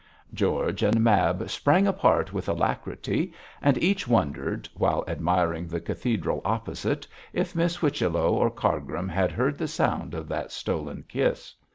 George and Mab sprang apart with alacrity, and each wondered, while admiring the cathedral opposite, if Miss Whichello or Cargrim had heard the sound of that stolen kiss.